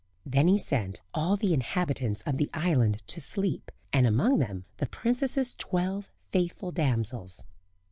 Then he sent all the inhabitants of the island to sleep, and among them the princess's twelve faithful damsels.